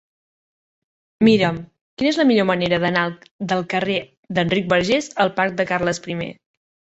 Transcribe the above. Mira'm quina és la millor manera d'anar del carrer d'Enric Bargés al parc de Carles I.